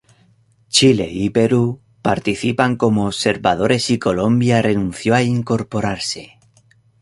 Chile y Perú participan como observadores y Colombia renunció a incorporarse.